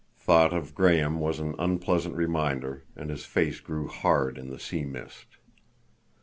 Thought of Graham was an unpleasant reminder, and his face grew hard in the sea mist.